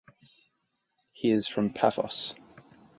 He is from Paphos.